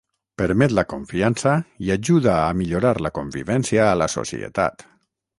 Permet la confiança i ajuda a millorar la convivència a la societat.